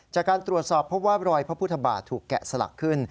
จากการตรวจสอบพบว่ารอยพระพุทธบาทถูกแกะสลักขึ้น